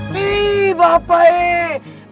nih bapak ya